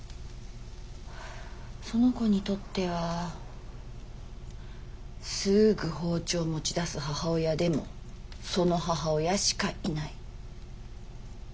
その子にとってはすぐ包丁を持ち出す母親でもその母親しかいない。